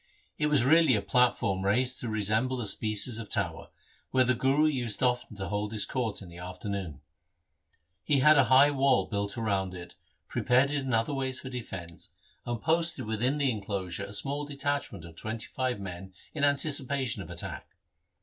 It was really a platform raised to resemble a species of tower, where the Guru used often to hold his court in the afternoon. He had a high wall built round it, prepared it in other ways for defence, and posted within the enclosure a small detachment of twenty five men in anticipation of attack.